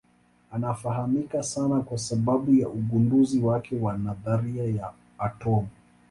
Anafahamika sana kwa sababu ya ugunduzi wake wa nadharia ya atomu.